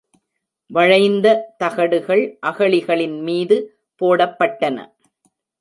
வளைந்த தகடுகள் அகழிகளின் மீது போடப்பட்டன.